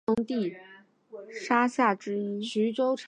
所以该楼也是中国建筑师设计的最早的一批现代化商厦之一。